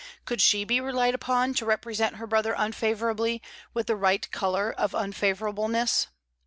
Could she be relied upon to represent her brother unfavourably, with the right colour of unfavourableness?